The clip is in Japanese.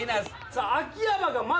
さあ。